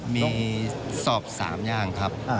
มีสอบ๓อย่างครับ